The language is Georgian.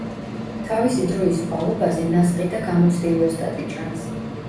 თავისი დროის კვალობაზე ნასყიდა გამოცდილი ოსტატი ჩანს.